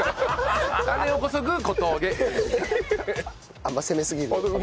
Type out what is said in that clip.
あんま攻めすぎると。